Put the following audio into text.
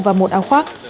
và một áo khoác